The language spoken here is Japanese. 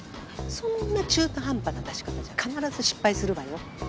そんな中途半端な出し方じゃ必ず失敗するわよ。